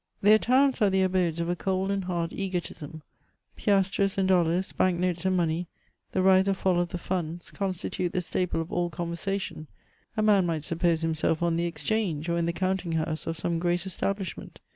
Their towns are the abodes of a cold and hard egotism : piasties and dollars, bank notes and money, the rise or fall of the funds, constitute the staple of all conversation; a man might suppose himself on the Exchange, or in the counting house of some great establishment.